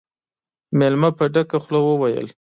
مېلمه په ډکه خوله وويل: